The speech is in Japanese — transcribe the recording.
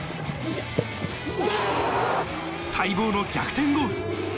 待望の逆転ゴール。